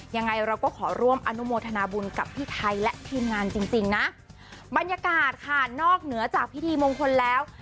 ยังไงเราก็ขอร่วมอนุโมทนาบุญกับพี่ไทยและทีมงานจริงจริงนะบรรยากาศค่ะนอกเหนือจากพิธีมงคลแล้ว